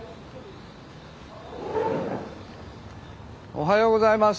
おはようございます。